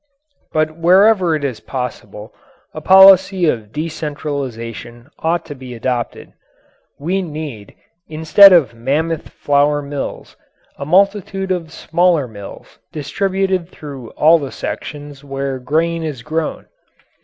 But wherever it is possible a policy of decentralization ought to be adopted. We need, instead of mammoth flour mills, a multitude of smaller mills distributed through all the sections where grain is grown.